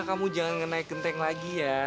kamu jangan naik kenteng lagi ya